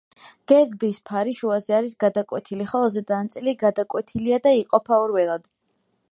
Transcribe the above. გერბის ფარი შუაზე არის გადაკვეთილი, ხოლო ზედა ნაწილი გადაკვეთილია და იყოფა ორ ველად.